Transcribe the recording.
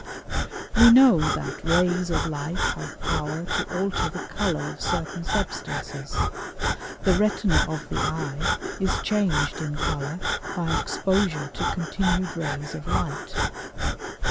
We know that rays of light have power to alter the color of certain substances. The retina of the eye is changed in color by exposure to continued rays of light.